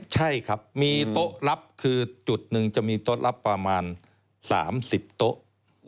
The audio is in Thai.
ใช่ครับมีโต๊ะรับคือจุดหนึ่งจะมีโต๊ะรับประมาณ๓๐โต๊ะ